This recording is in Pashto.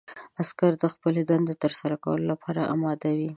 عسکر د خپلې دندې ترسره کولو لپاره اماده وي.